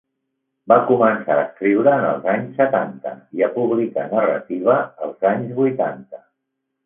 Va començar a escriure en els anys setanta i a publicar, narrativa, els anys vuitanta.